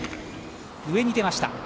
上に出ました。